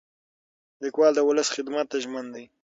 لیکوال د ولس خدمت ته ژمن دی.